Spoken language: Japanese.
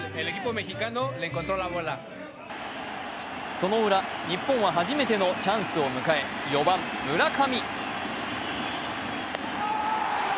そのウラ、日本は初めてのチャンスを迎え、４番・村上。